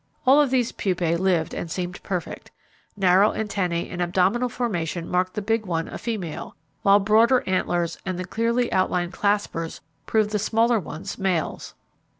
All of these pupae lived and seemed perfect. Narrow antennae and abdominal formation marked the big one a female, while broader antlers and the clearly outlined 'claspers' proved the smaller ones males.